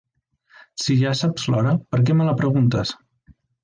Si ja saps l'hora, per què me la preguntes?